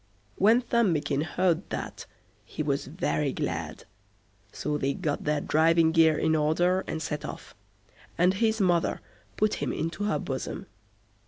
When Thumbikin heard that, he was very glad; so they got their driving gear in order and set off, and his mother put him into her bosom.